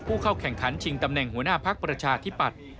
ผู้เข้าแข่งขันชิงตำแหน่งหัวหน้าพักประชาธิปัตย์